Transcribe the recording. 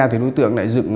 thì đối tượng lại dựng